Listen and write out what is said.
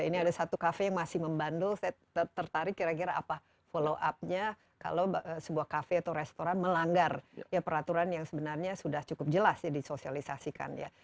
ini ada satu kafe yang masih membandel saya tertarik kira kira apa follow up nya kalau sebuah kafe atau restoran melanggar peraturan yang sebenarnya sudah cukup jelas ya disosialisasikan ya